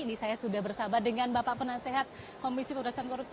ini saya sudah bersama dengan bapak penasehat komisi pemerintahan korupsi